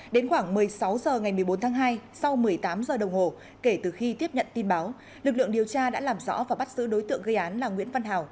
đến khoảng một mươi sáu h ngày một mươi bốn tháng hai sau một mươi tám giờ đồng hồ kể từ khi tiếp nhận tin báo lực lượng điều tra đã làm rõ và bắt giữ đối tượng gây án là nguyễn văn hào